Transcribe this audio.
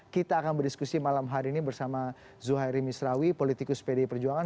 kita akan berdiskusi malam hari ini bersama zuhairi misrawi politikus pdi perjuangan